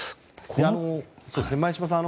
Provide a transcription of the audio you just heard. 前嶋さん。